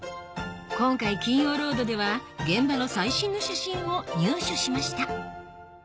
今回『金曜ロード』では現場の最新の写真を入手しました